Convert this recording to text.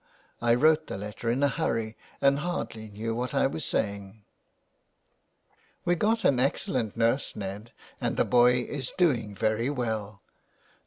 I wrote the letter in a hurry, and hardly knew what I was saying." '*We got an excellent nurse, Ned, and the boy is doing very well."